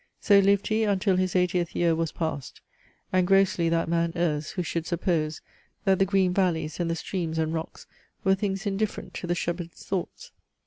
So lived he, until his eightieth year was past. And grossly that man errs, who should suppose That the green valleys, and the streams and rocks, Were things indifferent to the Shepherd's thoughts.